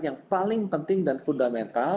yang paling penting dan fundamental